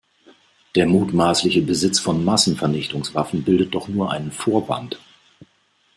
Der mutmaßliche Besitz von Massenvernichtungswaffen bildet doch nur einen Vorwand.